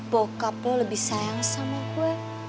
bokap lu lebih sayang sama gue